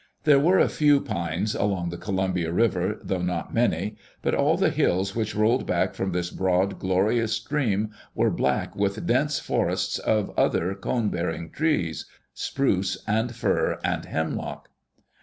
There were a few pines along the Columbia River, though not many; but all the hills which rolled back from this broad, glorious stream were black with dense forests of other cone bearing trees — spruce and fir and hemlock.